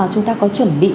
chúng ta có chuẩn bị